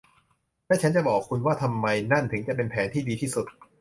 และฉันจะบอกคุณว่าทำไมนั่นถึงจะเป็นแผนที่ดีที่สุด